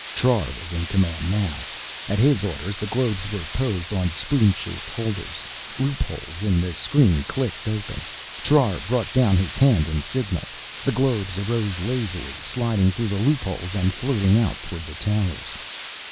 Trar was in command now. At his orders the globes were posed on spoon shaped holders. Loopholes in the screen clicked open. Trar brought down his hand in signal. The globes arose lazily, sliding through the loopholes and floating out toward the towers.